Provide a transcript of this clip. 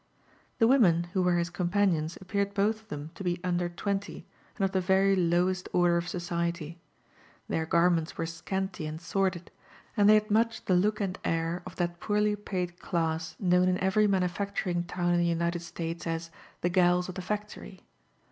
The women who were his companions appeared both of them to l^ under twenty, and of the very lowest order of society. Their garments w^re scanty and sordid> and they h«^d much the look and air of (hat poorly paid class kpqwn in every manufacturing town in the Upit^d Statps as "the g^ils of the factory."